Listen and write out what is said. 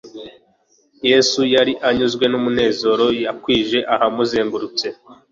Yesu yari anyuzwe n'umunezero yakwije ahamuzengurutse.